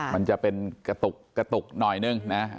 มันจะเป็นกระตุกกระตุกหน่อยนึงนะ